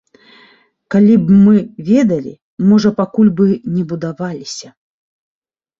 Калі б мы ведалі, можа, пакуль бы не будаваліся.